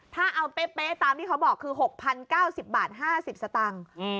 ถ้าเอาเป๊ะตามที่เขาบอกคือ๖๐๙๐บาท๕๐สตางค์